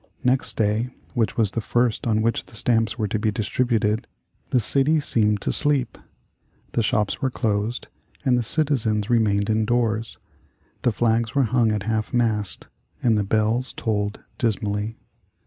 Next day, which was the first on which the stamps were to be distributed, the city seemed to sleep. The shops were closed and the citizens remained indoors. The flags were hung at half mast and the bells tolled dismally.